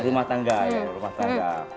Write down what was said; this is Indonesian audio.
rumah tangga ya rumah tangga